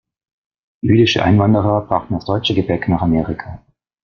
Jüdische Einwanderer brachten das deutsche Gebäck nach Amerika.